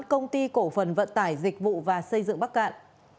công ty cổ phần vận tải dịch vụ và xây dựng bắc cạn